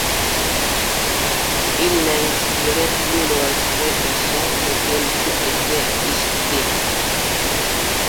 Il n’inspirait plus le respect, et son autorité était discutée.